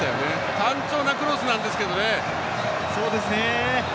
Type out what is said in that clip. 単調なクロスなんですけどね。